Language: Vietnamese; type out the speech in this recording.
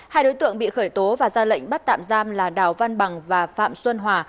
hai đối tượng bị khởi tố và ra lệnh bắt tạm giam là đào văn bằng và phạm xuân hòa